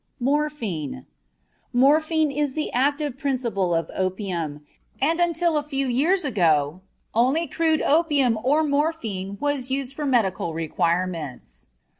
MORPHINE Morphine is the active principle of opium, and until a few years ago only crude opium or morphine was used for medical requirements.